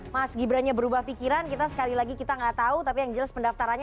mas gibran nya berubah pikiran kita sekali lagi kita nggak tahu tapi yang jelas pendaftarannya